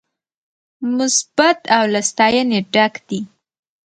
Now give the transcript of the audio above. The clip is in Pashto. مثبت او له ستاينې ډک دي